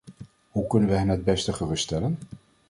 Hoe kunnen we hen het beste geruststellen?